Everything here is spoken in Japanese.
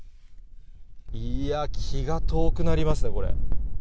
いや、気が遠くなりますね、これ。